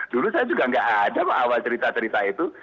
dulu saya juga nggak ada pak awal cerita cerita itu